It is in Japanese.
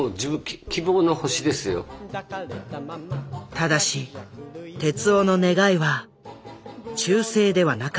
ただし徹男の願いは中性ではなかった。